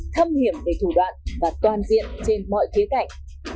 thâm hiểm về thủ đoạn và toàn diện trên mọi khía cạnh